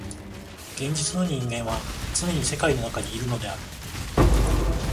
現実の人間はつねに世界の中にいるのである。